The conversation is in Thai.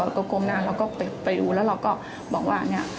แล้วก็ก้มหน้าเราก็ไปดูแล้วเราก็บอกว่าเนี่ย